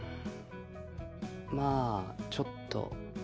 まあちょっと。